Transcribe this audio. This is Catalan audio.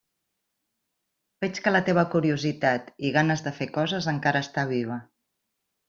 Veig que la teva curiositat i ganes de fer coses encara està viva.